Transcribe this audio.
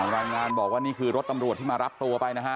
รายงานบอกว่านี่คือรถตำรวจที่มารับตัวไปนะฮะ